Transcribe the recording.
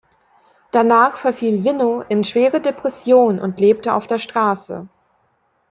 Danach verfiel Wino in schwere Depressionen und lebte auf der Straße.